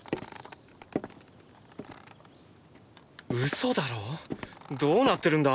嘘だろ⁉どうなってるんだ？